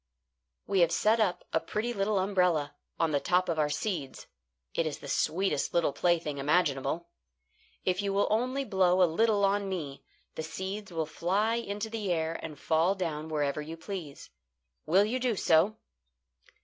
"We have set up a pretty little umbrella on the top of our seeds. It is the sweetest little plaything imaginable. If you will only blow a little on me, the seeds will fly into the air and fall down wherever you please. Will you do so?"